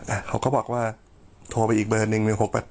เขาก็บอกว่าโทรไปอีกเบอร์หนึ่ง๑๖แปด